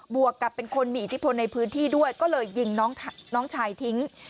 วกกับเป็นคนมีอิทธิพลในพื้นที่ด้วยก็เลยยิงน้องชายทิ้ง